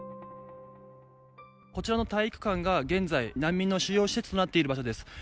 こちらの体育館が、現在、難民の収容施設となっている場所です。